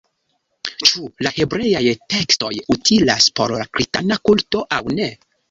Ĉu la hebreaj tekstoj utilas por la kristana kulto aŭ ne?